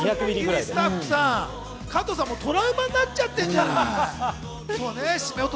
スタッフさん、加藤さんもトラウマになっちゃってるじゃん。